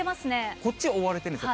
こっち覆われてるんですよ。